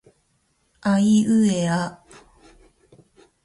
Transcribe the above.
あいうえあ